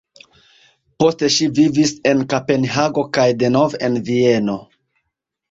Poste ŝi vivis en Kopenhago kaj denove en Vieno.